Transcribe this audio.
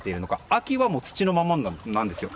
秋は土のままなんですよ。